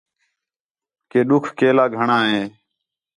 کہ ݙُکھ کیلا گھݨاں ہِے